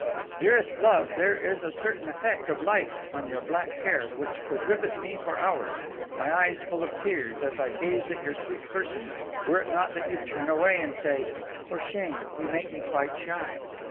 "Dearest love, there is a certain effect of light on your black hair which could rivet me for hours, my eyes full of tears, as I gazed at your sweet person, were it not that you turn away and say, 'For shame; you make me quite shy!'